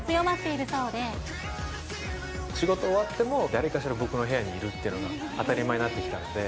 仕事終わっても、誰かしら僕の部屋にいるっていうのが当たり前になったきたので。